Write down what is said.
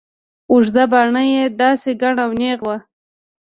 اوږده باڼه يې داسې گڼ او نېغ وو.